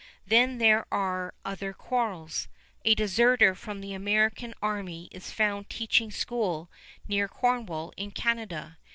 Then there are other quarrels. A deserter from the American army is found teaching school near Cornwall in Canada.